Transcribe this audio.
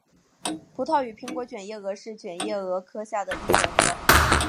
葡萄与苹果卷叶蛾是卷叶蛾科下的一种蛾。